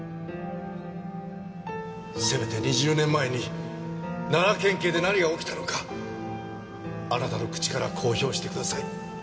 せめて２０年前に奈良県警で何が起きたのかあなたの口から公表してください。